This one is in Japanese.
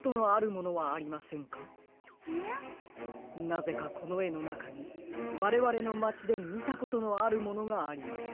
なぜかこのえのなかにわれわれのまちでみたことのあるものがあります。